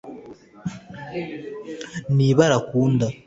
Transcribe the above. ni ibara akunda